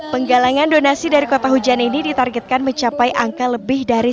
penggalangan donasi dari kota hujan ini ditargetkan mencapai angka lebih dari